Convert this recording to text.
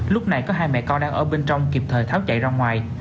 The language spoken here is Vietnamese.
lúc này có hai mẹ con đang ở bên trong kịp thời tháo chạy ra ngoài